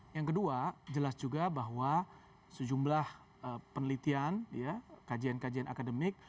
yang kedua jelas juga bahwa sejumlah penelitian kajian kajian akademik